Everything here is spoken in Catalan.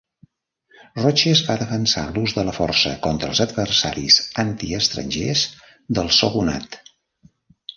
Roches va defensar l'ús de la força contra els adversaris anti-estrangers del shogunat.